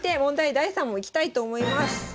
第３問いきたいと思います。